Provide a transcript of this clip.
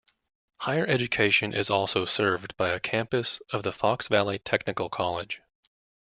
Higher education is also served by a campus of the Fox Valley Technical College.